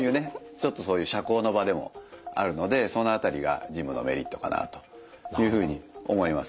ちょっとそういう社交の場でもあるのでその辺りがジムのメリットかなというふうに思います。